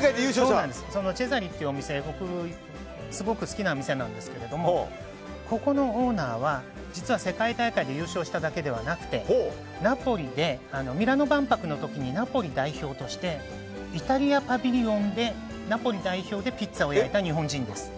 チェザリ！！というお店僕、すごく好きな店なんですがここのオーナーは実は世界大会で優勝しただけではなくてナポリでミラノ万博の時にナポリ代表としてイタリアパビリオンでナポリ代表でピッツァを焼いた日本人です。